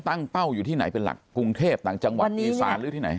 เป้าอยู่ที่ไหนเป็นหลักกรุงเทพต่างจังหวัดอีสานหรือที่ไหน